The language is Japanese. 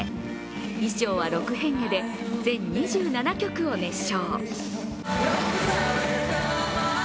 衣装は６変化で全２７曲を熱唱。